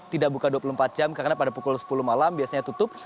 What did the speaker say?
tidak buka dua puluh empat jam karena pada pukul sepuluh malam biasanya tutup